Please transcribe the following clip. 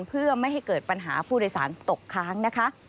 เพื่อไม่ให้เกิดปัญหาผู้โดยสารตกค้างนะคะ